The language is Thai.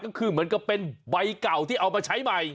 ก็คือเหมือนกับเป็นใบเก่าที่เอามาใช้ใหม่